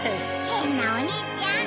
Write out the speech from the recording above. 変なお兄ちゃん。